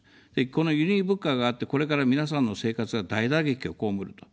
この輸入物価が上がって、これから皆さんの生活が大打撃を被ると。